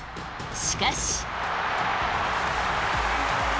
しかし。